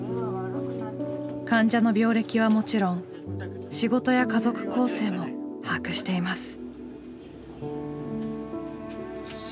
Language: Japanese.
患者の病歴はもちろん仕事や家族構成も把握しています。